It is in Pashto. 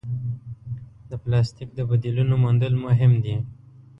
د پلاسټیک د بدیلونو موندل مهم دي.